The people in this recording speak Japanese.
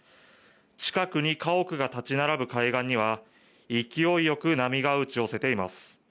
近くに家屋が建ち並ぶ海岸には勢いよく波が打ち寄せています。